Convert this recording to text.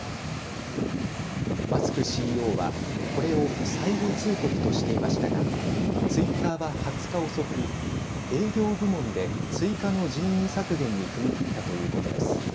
マスクＣＥＯはこれを最後通告としていましたがツイッターは２０日遅く営業部門で追加の人員削減に踏み切ったということです。